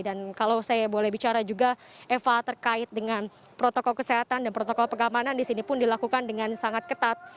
dan kalau saya boleh bicara juga eva terkait dengan protokol kesehatan dan protokol pengamanan disini pun dilakukan dengan sangat ketat